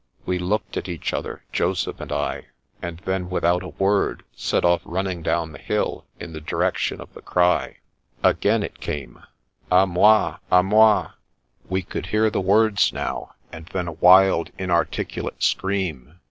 We looked at each other, Joseph and I, and then without a word set off running down the hill, in the direction of the cry. Again it came, " A moi — a moi !" We could 132 The Princess Passes hear the words, now, and then a wild, inarticulate scream.